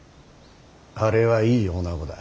あれはいい女子だ。